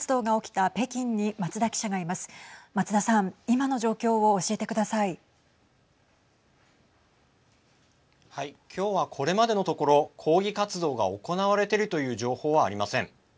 今日はこれまでのところ抗議活動が行われているという情報はありません。